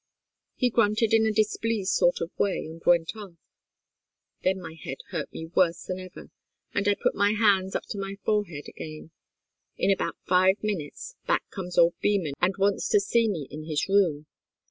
He grunted in a displeased sort of way, and went off. Then my head hurt me worse than ever, and I put my hands up to my forehead again. In about five minutes, back comes old Beman, and wants to see me in his room.